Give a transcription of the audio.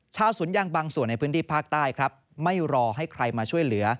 สวนยางบางส่วนในพื้นที่ภาคใต้ครับไม่รอให้ใครมาช่วยเหลือ